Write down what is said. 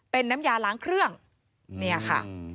เป็นน้ำยาล้างเครื่องเนี่ยค่ะ